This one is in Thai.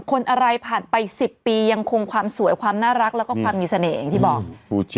คนอะไรผ่านไป๑๐ปียังคงความสวยความน่ารักแล้วก็ความมีเสน่ห์อย่างที่บอก